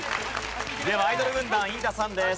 ではアイドル軍団飯田さんです。